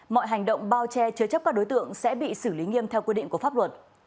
mọi hành động bao che chứa chấp các đối tượng sẽ bị xử lý nghiêm theo quy định của pháp luật